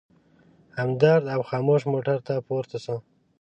همدرد او خاموش موټر ته پورته شوو.